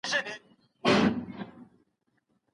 ښه تاثیرات ستاسو ذهن روښانه کوي.